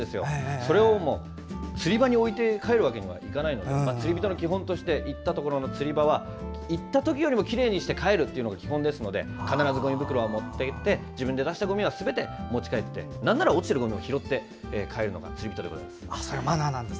それを釣り場に置いて帰るわけにはいかないので釣り人の基本として行ったところの釣り場は行ったときよりもきれいにして帰るのが基本ですので必ずごみ袋は持っていって自分で出したすべて持ち帰ってなんなら落ちているものも拾って帰るのが釣り人でございます。